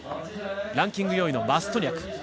ランキング４位のマストニャク。